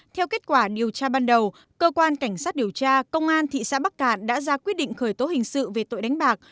theo kết quả điều tra ban đầu cơ quan cảnh sát điều tra công an thị xã bắc cạn đã ra quyết định khởi tố hình sự về tội đánh bạc